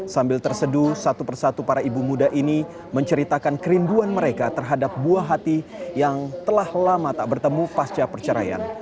sambil terseduh satu persatu para ibu muda ini menceritakan kerinduan mereka terhadap buah hati yang telah lama tak bertemu pasca perceraian